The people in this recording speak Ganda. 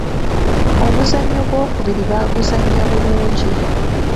Omuzannyo ogw’okubiri baaguzannya bulungi.